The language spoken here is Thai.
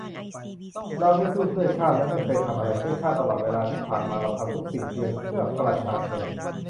เราไม่สู้เพื่อชาติและไม่เคยทำอะไรเพื่อชาติ ตลอดเวลาที่ผ่านมาเราทำทุกสิ่งเพียงเพื่อประชาชน